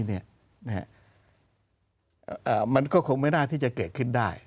เพราะถ้าไม่มีมันก็คงไม่น่าที่จะเกิดขึ้นได้